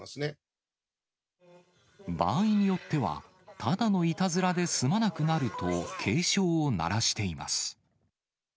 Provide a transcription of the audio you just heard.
場合によっては、ただのいたずらで済まなくなると、警鐘を鳴らしています。